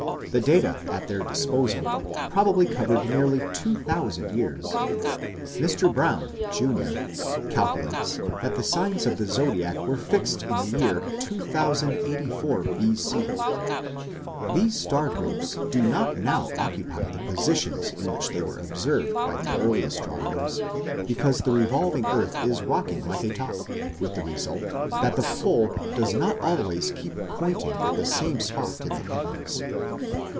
The data at their disposal probably covered nearly two thousand years. Mr. Brown, junior, calculates that the signs of the Zodiac were fixed in the year 2084 B.C. These star groups do not now occupy the positions in which they were observed by the early astronomers, because the revolving earth is rocking like a top, with the result that the pole does not always keep pointing at the same spot in the heavens.